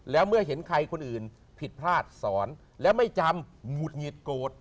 แล้วเมื่อเห็นใครคนอื่นผิดพลาดสอนและไม่จำหงุดหงิดโกรธ